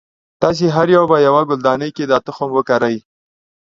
تاسې هر یو به یوه ګلدانۍ کې دا تخم وکری.